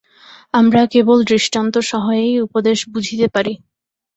আমরা কেবল দৃষ্টান্তসহায়েই উপদেশ বুঝিতে পারি।